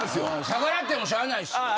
逆らってもしゃないしな。